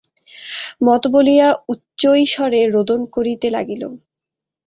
মত বলিয়া উচ্চৈ স্বরে রোদন করিতে লাগিল।